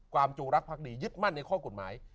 ความจงรักษ์ภาคดียึดมั่นในข้อกฎหมาย